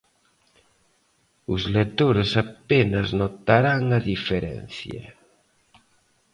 Os lectores apenas notarán a diferencia.